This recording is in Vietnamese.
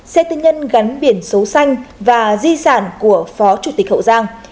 xe tư nhân gắn biển số xanh và di sản của phó chủ tịch hậu giang